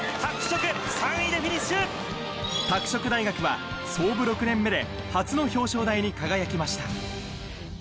拓殖大学は創部６年目で初の表彰台に輝きました。